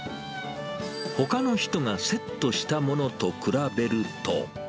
ほかの人がセットしたものと比べると。